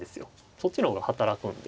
そっちの方が働くんで。